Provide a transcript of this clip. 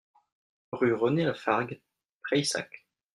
Rue René Lafargue, Prayssac